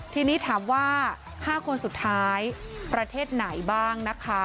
ทีนี้ถามว่า๕คนสุดท้ายประเทศไหนบ้างนะคะ